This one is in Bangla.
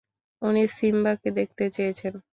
উনি সিম্বাকে দেখতে চেয়েছেন।